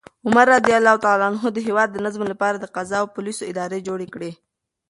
عمر رض د هیواد د نظم لپاره د قضا او پولیسو ادارې جوړې کړې.